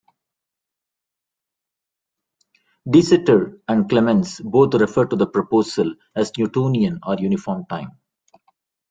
De Sitter and Clemence both referred to the proposal as 'Newtonian' or 'uniform' time.